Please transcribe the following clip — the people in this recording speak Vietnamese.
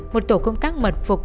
một tổ công tác mật phục